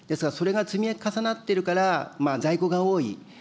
ですが、それが積み重なっているから、在庫が多い。